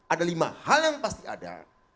ada lima hal yang pasti ada